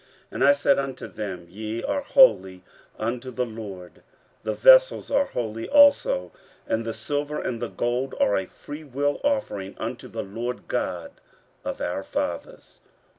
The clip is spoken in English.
15:008:028 And I said unto them, Ye are holy unto the LORD; the vessels are holy also; and the silver and the gold are a freewill offering unto the LORD God of your fathers.